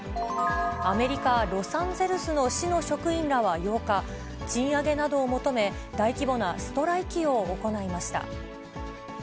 アメリカ・ロサンゼルスの市の職員らは８日、賃上げなどを求め、大規模なストライキを行いました。